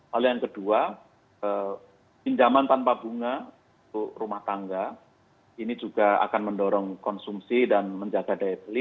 lalu yang kedua pinjaman tanpa bunga untuk rumah tangga ini juga akan mendorong konsumsi dan menjaga daya beli